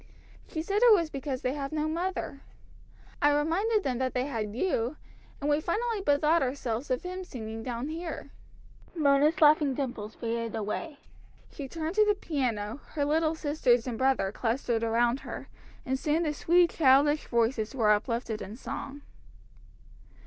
She said it was because they have no mother. I reminded them that they had you, and we finally bethought ourselves of hymn singing down here." Mona's laughing dimples faded away. She turned to the piano, her little sisters and brother clustered round her, and soon the sweet, childish voices were uplifted in song.